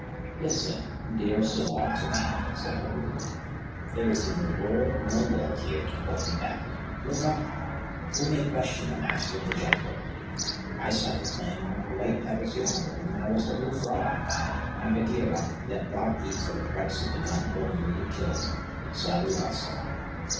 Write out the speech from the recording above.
"Listen, dearest of all to me," said Baloo. There is neither word nor will here to hold thee back. Look up! Who may question the Master of the Jungle? I saw thee playing among the white pebbles yonder when thou wast a little frog; and Bagheera, that bought thee for the price of a young bull newly killed, saw thee also.